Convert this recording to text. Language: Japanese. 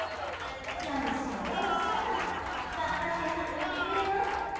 よいしょ、よいしょと頑張って運んでくれます。